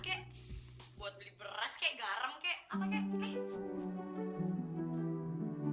kenapa diem ngiri ya gara gara aku yang menang makanya lain kali itu kalau nyanyi